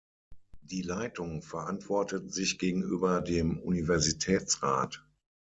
Die Leitung verantwortet sich gegenüber dem Universitätsrat.